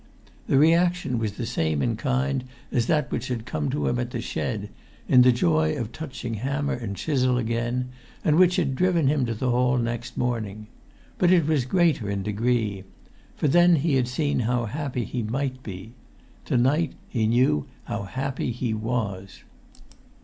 The reaction was the same in kind as that which had come to him at the shed, in the joy of touching hammer and chisel again, and which had driven him to the hall next morning. But it was greater in degree: for then he had seen how happy he might be; to night he knew how happy he was.